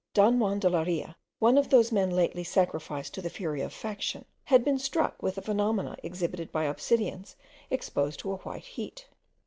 Don Juan de Larea, one of those men lately sacrificed to the fury of faction, had been struck with the phenomena exhibited by obsidians exposed to a white heat.